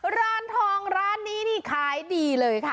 ร้านทองร้านนี้นี่ขายดีเลยค่ะ